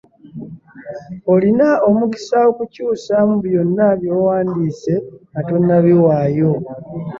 Olina omukisa okukyusaamu mu byonna by'owandiise nga tonnabiwaayo